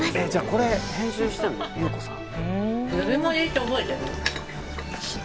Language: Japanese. これ編集してるのゆうこさん。